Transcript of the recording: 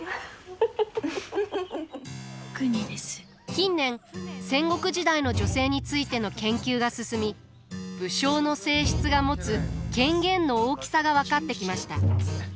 近年戦国時代の女性についての研究が進み武将の正室が持つ権限の大きさが分かってきました。